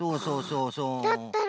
だったら！